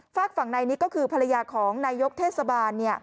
ฝากฝั่งนายนิกก็คือภรรยาของนายกเทศบาล